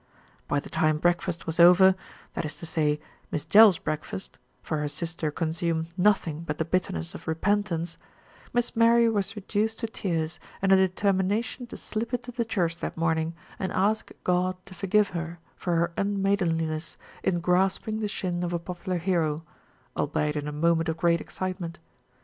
By the time breakfast was over, that is to say Miss Jell's breakfast, for her sister consumed nothing but the bitterness of repentance, Miss Mary was reduced A VILLAGE DIVIDED AGAINST ITSELF 219 to tears and a determination to slip into the church that morning and ask God to forgive her for her un maidenliness in grasping the shin of a popular hero, albeit in a moment of great excitement.